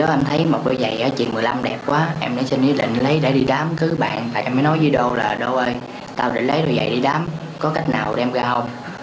em mới nói với đô là đô ơi tao đã lấy đôi giày đi đám có cách nào đem ra không